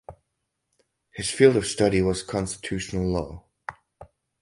His field of study was Constitutional law.